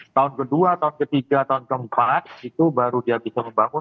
tahun kedua tahun ketiga tahun keempat itu baru dia bisa membangun